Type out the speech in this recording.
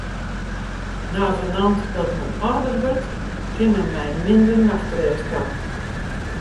Navenant dat men âlder wurdt, kin men mei minder nachtrêst ta.